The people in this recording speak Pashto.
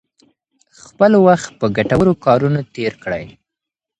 خپل وخت په ګټورو کارونو تیر کړئ.